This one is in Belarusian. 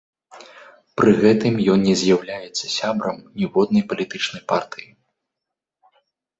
Пры гэтым ён не з'яўляецца сябрам ніводнай палітычнай партыі.